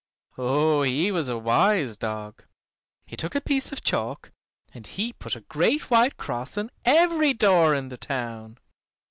Oh, he was a wise dog. He took a piece of chalk, and he put a great white cross on every door in the town.